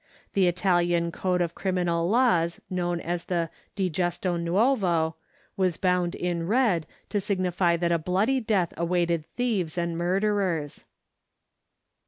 The Italian code of criminal laws known as the "Digesto Nuovo" was bound in red, to signify that a bloody death awaited thieves and murderers.